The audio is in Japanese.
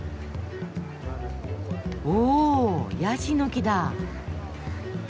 おヤシの木だ。